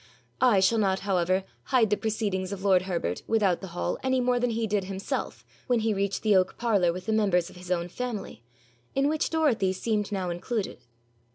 I shall not, however, hide the proceedings of lord Herbert without the hall any more than he did himself when he reached the oak parlour with the members of his own family, in which Dorothy seemed now included.